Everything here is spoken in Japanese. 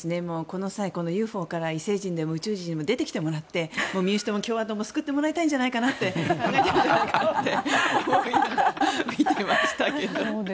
この際、ＵＦＯから異星人でも宇宙人でも出てきてもらって民主党も共和党も救ってもらいたいんじゃないかなって見ていましたけど。